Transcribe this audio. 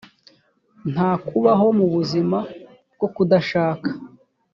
nta kubaho mu buzima bwo kudashaka